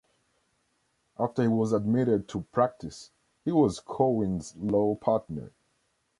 After he was admitted to practice, he was Corwin's law partner.